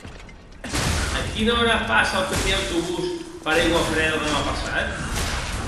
A quina hora passa el primer autobús per Aiguafreda demà passat?